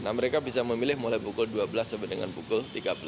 nah mereka bisa memilih mulai pukul dua belas sampai dengan pukul tiga belas